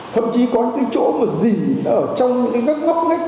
thậm chí có những cái chỗ mà dì ở trong những cái ngóc ngách